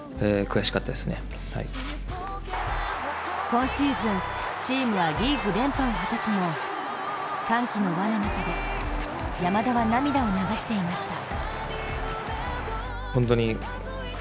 今シーズン、チームはリーグ連覇を果たすも歓喜の輪の中で、山田は涙を流していました。